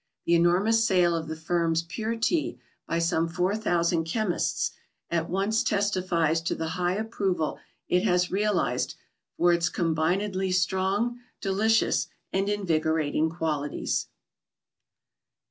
The enormous sale of the Firm's pure Tea by some 4,000 Chemists, at once testifies to the high approval it has realised for its combinedly strong, delicious, and invigorating qualities.